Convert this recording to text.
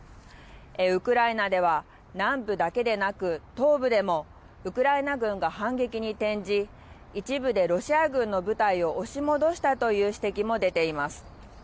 ウクライナでは南部だけでなく東部でも、ウクライナ軍が反撃に転じ、一部でロシア軍の部隊を押し戻したという指摘も出ています。